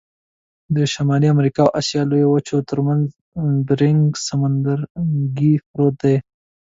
د شمال امریکا او آسیا لویو وچو ترمنځ بیرنګ سمندرګي پروت دی.